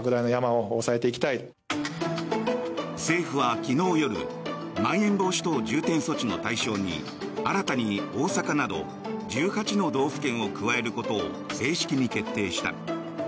政府は昨日夜まん延防止等重点措置の対象に新たに大阪など１８の道府県を加えることを正式に決定した。